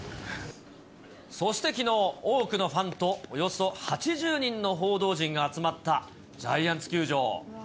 そしてきのう、多くのファンとおよそ８０人の報道陣が集まったジャイアンツ球場。